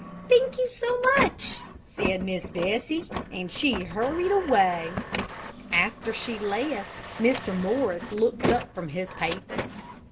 "Thank you, so much," said Miss Bessie. And she hurried away. After she left, Mr. Morris looked up from his paper.